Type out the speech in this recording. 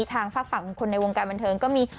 ทางฝากฝั่งคนในวงการบันเทิงก็มี